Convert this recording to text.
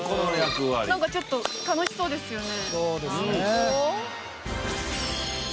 なんかちょっと楽しそうですよね。